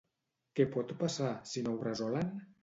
Què pot passar, si no ho resolen?